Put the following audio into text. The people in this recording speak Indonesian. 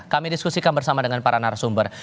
kami diskusikan bersama dengan para narasumber